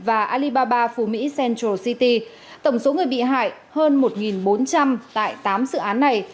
và alibaba phú mỹ central city tổng số người bị hại hơn một bốn trăm linh tại tám dự án này